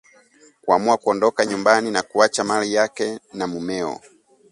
Kuamua kuondoka nyumbani na kuacha mali yake na mumeo